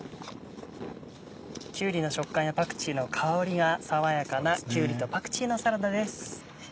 きゅうりの食感やパクチーの香りが爽やかなきゅうりとパクチーのサラダです。